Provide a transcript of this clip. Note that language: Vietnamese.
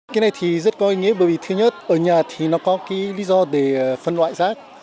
cái này thì rất có ý nghĩa bởi vì thứ nhất ở nhà thì nó có cái lý do để phân loại rác